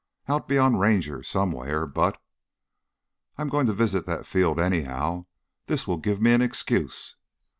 "Out beyond Ranger, somewhere. But " "I'm going to visit that field, anyhow. This will give me an excuse."